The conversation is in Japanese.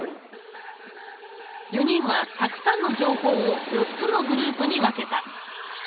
４人はたくさんの情報を４つのグループに分けた。